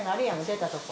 出たとこ。